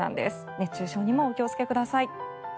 熱中症にもお気をつけください。